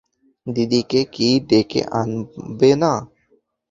দিদিকে কি ডেকে আনবে না?